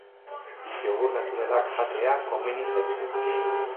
Jogurt naturalak jatea komeni zaizu.